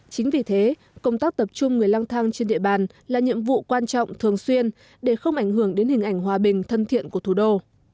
chính vì thế công tác tập trung người lang thang trên địa bàn là nhiệm vụ quan trọng thường xuyên để không ảnh hưởng đến hình ảnh hòa bình thân thiện của thủ đô